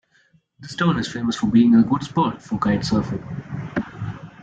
This town is famous for being a good spot for kite surfing.